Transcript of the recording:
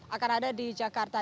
akan ada di jakarta